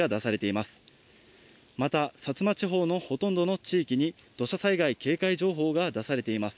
また薩摩地方のほとんどの地域に土砂災害警戒情報が出されています。